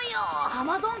アマゾン